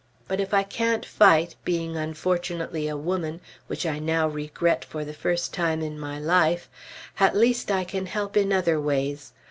But if I can't fight, being unfortunately a woman, which I now regret for the first time in my life, at least I can help in other ways.